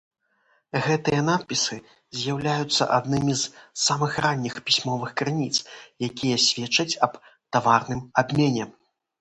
Гэтыя надпісы з'яўляюцца аднымі з самых ранніх пісьмовых крыніц, якія сведчаць аб таварным абмене.